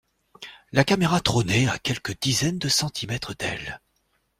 La caméra trônait, à quelques dizaines de centimètres d’elle.